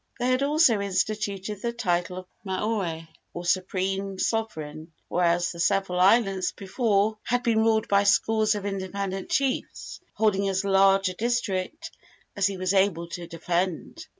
They had also instituted the title of moi, or supreme sovereign, whereas the several islands before had been ruled by scores of independent chiefs, each claiming and holding as large a district as he was able to defend.